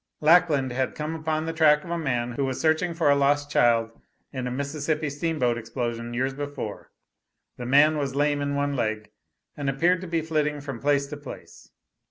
Lackland had come upon the track of a man who was searching for a lost child in a Mississippi steamboat explosion years before. The man was lame in one leg, and appeared to be flitting from place to place.